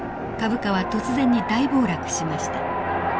株価は突然に大暴落しました。